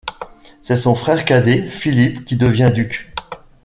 C'est son frère cadet, Philippe, qui devient duc.